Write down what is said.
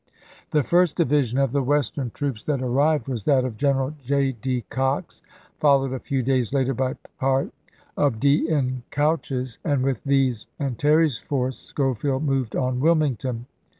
The first division of the Western troops that ar Feb. 9, 1865. rived was that of General J. D. Cox, followed a few days later by part of D. N. Couch's ; and with these ibid. and Terry's force Schofield moved on Wilmington.